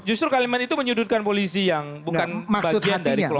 justru kalimat itu menyudutkan polisi yang bukan bagian dari kelompok